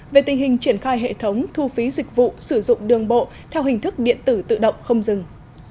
về tình hình triển khai hệ thống thu phí dịch vụ sử dụng đường bộ theo hình thức điện tử tự động không dừng